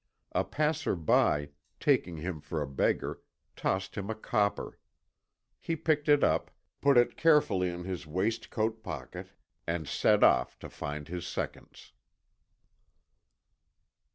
A passer by, taking him for a beggar, tossed him a copper. He picked it up, put it carefully in his waistcoat pocket, and set off to find his seconds.